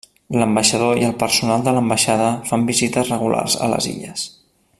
L'ambaixador i el personal de l'ambaixada fan visites regulars a les illes.